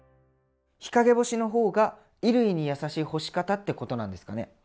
日陰干しの方が衣類にやさしい干し方ってことなんですかね？